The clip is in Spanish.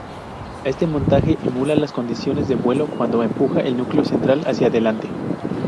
Este montaje emula las condiciones de vuelo, cuando empuja el núcleo central hacia delante.